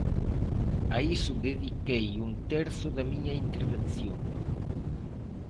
A iso dediquei un terzo da miña intervención.